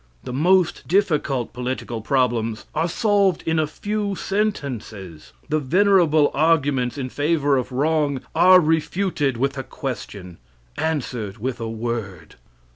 The most difficult political problems are solved in a few sentences. The venerable arguments in favor of wrong are refuted with a question answered with a word.